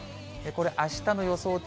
これ、あしたの予想